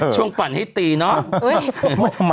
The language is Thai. ช่วงปั่นให้ตีเนาะ